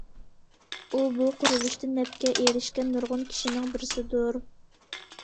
ئۇ بۇ قۇرۇلۇشتىن نەپكە ئېرىشكەن نۇرغۇن كىشىنىڭ بىرسىدۇر.